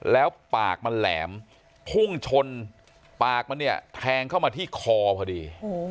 แล้วปากมันแหลมพุ่งชนปากมันเนี่ยแทงเข้ามาที่คอพอดี